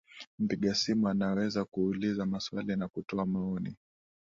mpiga simu anaweza kuuliza maswali na kutoa maoni yake